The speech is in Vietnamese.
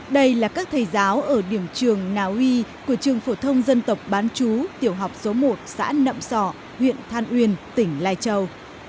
đây là các thầy giáo ở điểm trường nà uy của trường phổ thông dân tộc bán chú tiểu học số một xã nậm sỏ huyện than uyên tỉnh lai châu